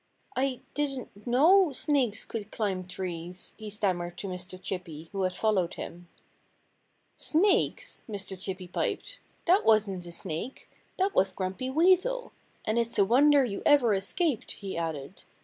"I didn't know snakes could climb trees," he stammered to Mr. Chippy, who had followed him. "Snakes!" Mr. Chippy piped. "That wasn't a snake! That was Grumpy Weasel.... And it's a wonder you ever escaped," he added.